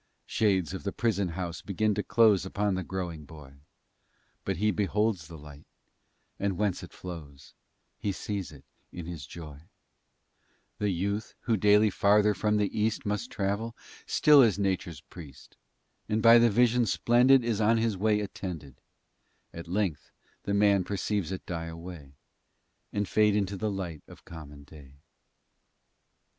Shades of the prison house begin to close Upon the growing Boy, But He beholds the light, and whence it flows, He sees it in his joy; The Youth, who daily farther from the East Must travel, still is Nature's Priest, And by the vision splendid Is on his way attended; At length the Man perceives it die away, And fade into the light of common day.